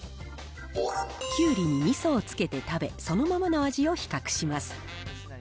キュウリにみそをつけて食べ、そのままの味を比較します。